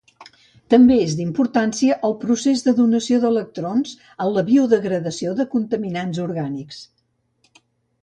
També és d'importància el procés de donació d'electrons en la biodegradació de contaminants orgànics.